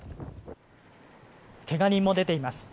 けが人も出ています。